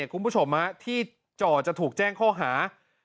คุณผู้ชมที่จ่อจะถูกแจ้งข้อหา